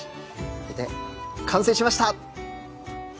完成しました！